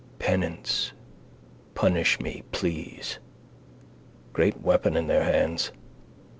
Penance. Punish me, please. Great weapon in their hands.